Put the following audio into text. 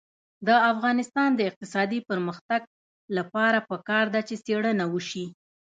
د افغانستان د اقتصادي پرمختګ لپاره پکار ده چې څېړنه وشي.